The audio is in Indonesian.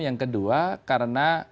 yang kedua karena